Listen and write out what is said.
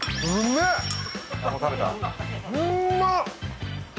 うんまっ！